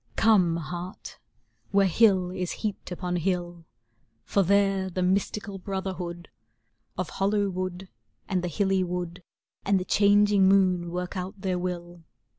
Come, heart, whei'e hill is heaped upon hill, For there the mystical brotherhood Of hollow wood and the hilly wood And the changing moon work out their will.